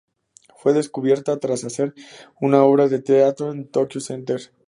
Fue "descubierta" tras hacer una obra de teatro en Tokyo Center.